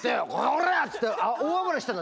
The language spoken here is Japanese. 「おら！」っつって大暴れしてたの。